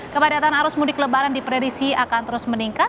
kepadatan arus mudik lebaran diprediksi akan terus meningkat